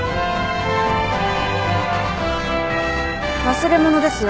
忘れ物ですよ